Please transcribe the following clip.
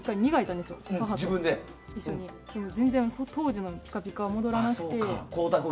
でも、全然当時のピカピカに戻らなくて。